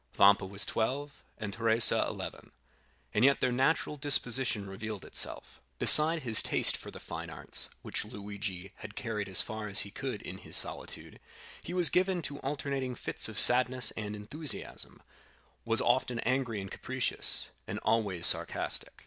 Vampa was twelve, and Teresa eleven. And yet their natural disposition revealed itself. Beside his taste for the fine arts, which Luigi had carried as far as he could in his solitude, he was given to alternating fits of sadness and enthusiasm, was often angry and capricious, and always sarcastic.